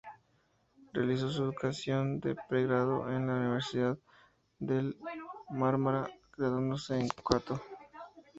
Realizó su educación de pregrado en la Universidad del Mármara, graduándose en canto.